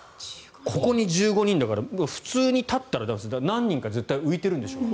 ここに１５人だから普通に立ったら何人か絶対浮いているんでしょう。